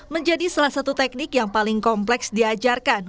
menjadi salah satu teknik yang paling kompleks diajarkan